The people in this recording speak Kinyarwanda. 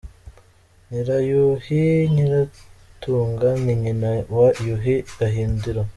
Nyirayuhi Nyiratunga ni nyina wa Yuhi Gahindiro.